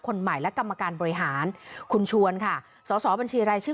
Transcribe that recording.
คนใหม่และกรรมการบริหารคุณชวนค่ะสอสอบัญชีรายชื่อ